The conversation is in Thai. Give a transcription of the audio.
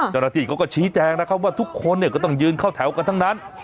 เจ้าหน้าที่เขาก็ชี้แจงนะครับว่าทุกคนก็ต้องยืนเข้าแถวกันทั้งนั้น